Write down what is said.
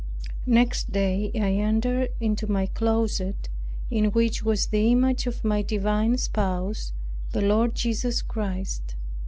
Next day I entered into my closet, in which was the image of my divine spouse, the Lord Jesus Christ.